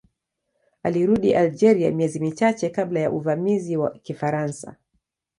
Alirudi Algeria miezi michache kabla ya uvamizi wa Kifaransa.